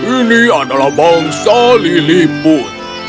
ini adalah bangsa lilliput